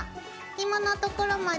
ひものところまで。